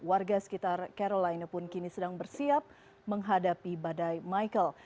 warga sekitar carolina pun kini sedang bersiap menghadapi badai michael